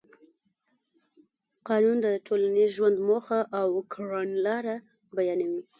قانون د ټولنیز ژوند موخه او کړنلاره بیانوي.